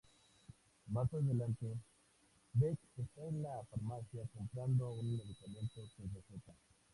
Más adelante, Beck está en la farmacia, comprando un medicamento sin receta.